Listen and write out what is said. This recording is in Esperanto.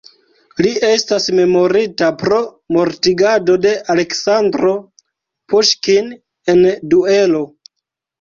Li estas memorita pro mortigado de Aleksandro Puŝkin en duelo.